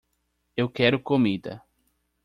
Eu quero comida.